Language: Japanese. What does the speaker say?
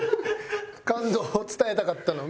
感動を伝えたかったの。